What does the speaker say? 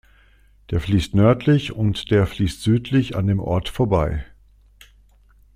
Der fließt nördlich und der fließt südlich an dem Ort vorbei.